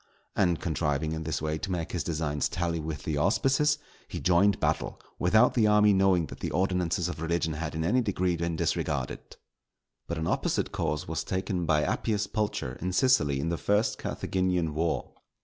And contriving, in this way to make his designs tally with the auspices, he joined battle, without the army knowing that the ordinances of religion had in any degree been disregarded. But an opposite course was taken by Appius Pulcher, in Sicily, in the first Carthaginian war.